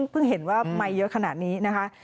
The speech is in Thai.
เห็นว่าไมค์เยอะขนาดนี้นะคะ